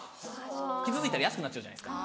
傷ついたら安くなっちゃうじゃないですか。